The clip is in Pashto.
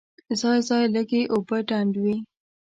ځای ځای لږې اوبه ډنډ وې.